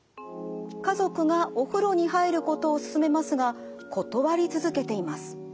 家族がお風呂に入ることを勧めますが断り続けています。